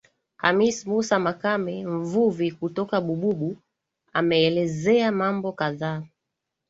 Khamis Mussa Makame Mvuvi kutoka Bububu ameelezea mambo kadhaa